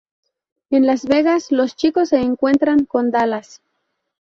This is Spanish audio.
En Las Vegas los chicos se encuentran con Dallas.